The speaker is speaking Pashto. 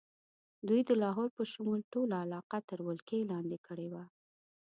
دوی د لاهور په شمول ټوله علاقه تر ولکې لاندې کړې وه.